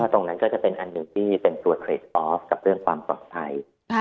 ตรงนั้นก็จะเป็นอันหนึ่งที่เป็นตัวเทรดออฟกับเรื่องความปลอดภัย